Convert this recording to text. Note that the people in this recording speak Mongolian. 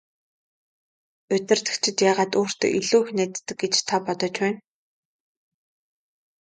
Удирдагчид яагаад өөртөө илүү их найддаг гэж та бодож байна?